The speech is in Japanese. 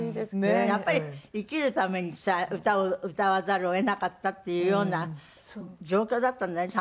やっぱり生きるためにさ歌を歌わざるを得なかったっていうような状況だったんじゃない？